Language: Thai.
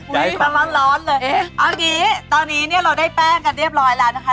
ย้ายฝั่งเลยเอ๊ะอันนี้ตอนนี้เนี่ยเราได้แป้งกันเรียบร้อยแล้วนะคะ